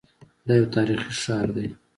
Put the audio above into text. دا یو تاریخي ښار دی.